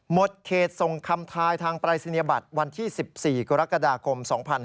เขตส่งคำทายทางปรายศนียบัตรวันที่๑๔กรกฎาคม๒๕๕๙